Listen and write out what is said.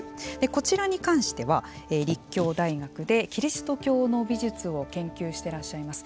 こちらに関しては立教大学でキリスト教の美術を研究していらっしゃいます